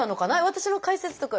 私の解説とか。